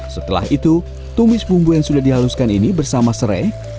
setelah itu tumis bumbu yang sudah dihaluskan ini bersama serai